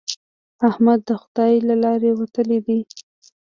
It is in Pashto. احمد د خدای له لارې وتلی دی.